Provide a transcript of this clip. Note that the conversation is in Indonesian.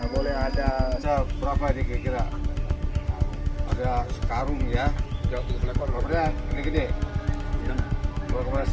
boleh ada seberapa dikira kira ada sekarung ya ini gini bulu kobra sedang ya dan jempol kaki